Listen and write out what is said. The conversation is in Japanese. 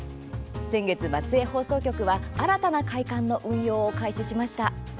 先月、松江放送局は新たな会館の運用を開始しました。